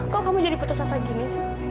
kok kamu jadi putus asa gini sih